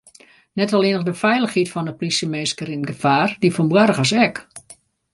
Net allinnich de feilichheid fan de plysjeminsken rint gefaar, dy fan boargers ek.